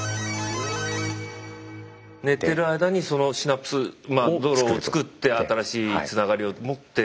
寝てる間にシナプスまあ道路を作って新しいつながりを持って。